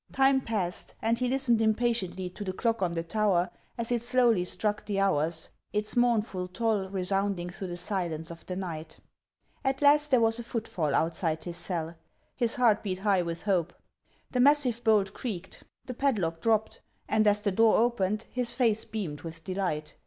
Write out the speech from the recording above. Time passed ; and he listened impatiently to the clock on the tower as it slowly struck the hours, its mournful toll resounding through the silence of the night. At last there was a footfall outside his cell ; his heart beat high with hope. The massive bolt creaked ; the pad HANS OF ICELAND. 509 lock dropped ; and as the door opened, his face beamed with delight.